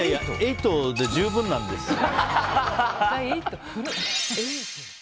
８で十分なんですよ。